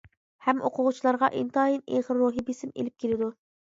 ھەم ئوقۇغۇچىلارغا ئىنتايىن ئېغىر روھىي بېسىم ئېلىپ كېلىدۇ.